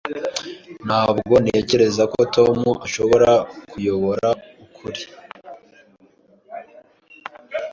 Ntabwo ntekereza ko Tom ashobora kuyobora ukuri.